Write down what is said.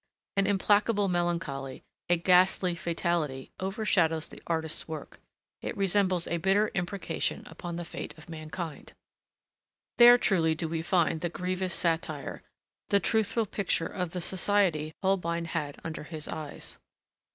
An implacable melancholy, a ghastly fatality, overshadows the artist's work. It resembles a bitter imprecation upon the fate of mankind. There truly do we find the grievous satire, the truthful picture of the society Holbein had under his eyes.